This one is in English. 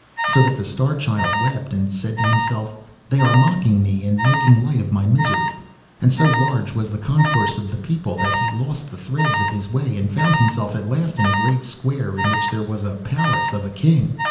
so that the Star Child wept, and said to himself, 'They are mocking me, and making light of my misery.' And so large was the concourse of the people, that he lost the threads of his way, and found himself at last in a great square, in which there was a palace of a King.